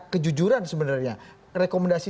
kejujuran sebenarnya rekomendasi